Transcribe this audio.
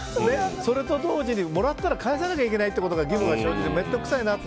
それと同時にもらったら返さなきゃいけない義務が生じて面倒くさいと。